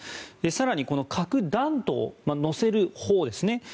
更に核弾頭、載せるほうですね。